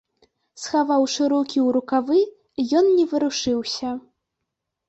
Схаваўшы рукі ў рукавы, ён не варушыўся.